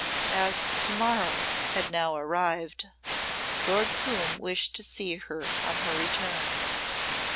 As "to morrow" had now arrived, Lord Coombe wished to see her on her return.